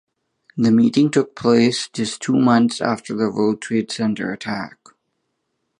The meeting took place just two months after the World Trade Center attack.